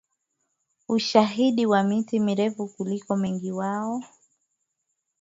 ushahidi wa miti mirefu kuliko Wengi wao